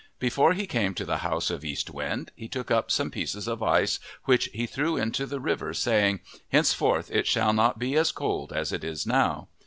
Before he came to the house of East Wind, he took up some pieces of ice which he threw into the river, saying, " Henceforth it shall not be as cold as it is now.